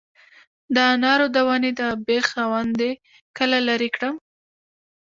د انارو د ونې د بیخ خاوندې کله لرې کړم؟